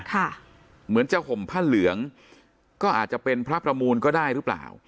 เหมือนจะห่มผ้าเหลืองก็อาจจะเป็นพระประมูลก็ได้หรือเปล่า